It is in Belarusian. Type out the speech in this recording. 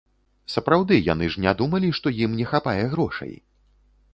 Сапраўды, яны ж не думалі, што ім не хапае грошай?